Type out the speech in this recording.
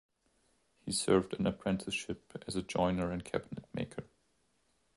He served an apprenticeship as a joiner and cabinet maker.